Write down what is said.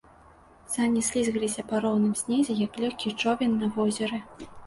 Сані слізгаліся па роўным снезе, як лёгкі човен на возеры.